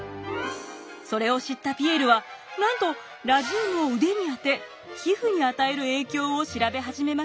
それを知ったピエールはなんとラジウムを腕に当て皮膚に与える影響を調べ始めました。